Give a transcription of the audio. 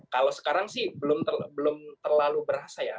kalau sekarang sih belum terlalu berasa ya